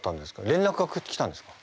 連絡が来たんですか？